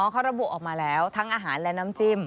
เขาระบุออกมาแล้วทั้งอาหารและน้ำจิ้ม